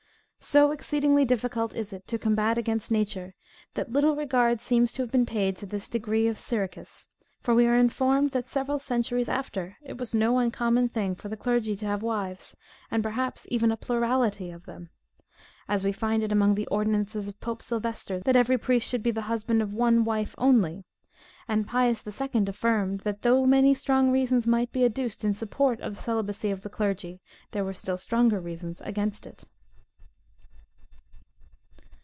So exceedingly difficult is it to combat against nature, that little regard seems to have been paid to this decree of Syricus; for we are informed, that several centuries after, it was no uncommon thing for the clergy to have wives, and perhaps even a plurality of them; as we find it among the ordonnances of pope Sylvester, that every priest should be the husband of one wife only; and Pius the Second affirmed, that though many strong reasons might be adduced in support of the celibacy of the clergy, there were still stronger reasons against it.